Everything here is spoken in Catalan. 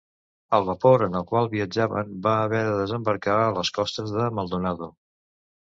El vapor en el qual viatjaven va haver de desembarcar a les costes de Maldonado.